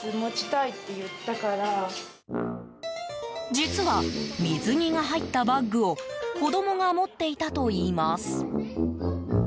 実は、水着が入ったバッグを子供が持っていたといいます。